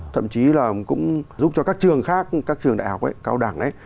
thậm chí là cũng giúp cho các trường khác các trường đại học cao đẳng ấy